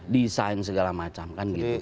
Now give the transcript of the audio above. desain segala macam kan gitu